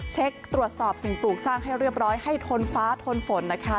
เช็คตรวจสอบสิ่งปลูกสร้างให้เรียบร้อยให้ทนฟ้าทนฝนนะคะ